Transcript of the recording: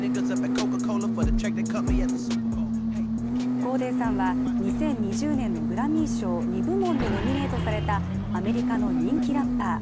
コーデーさんは、２０２０年のグラミー賞２部門にノミネートされたアメリカの人気ラッパー。